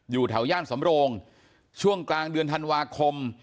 อยู่แถวย่านสำโรงช่วงกลางเดือนธันวาคม